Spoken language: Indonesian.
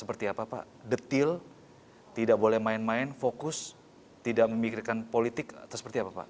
seperti apa pak detil tidak boleh main main fokus tidak memikirkan politik atau seperti apa pak